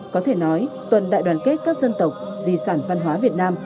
có thể nói tuần đại đoàn kết các dân tộc di sản văn hóa việt nam